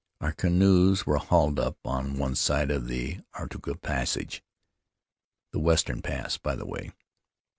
Our canoes were hauled up on one side of the Arutunga Passage — the western pass, by the way.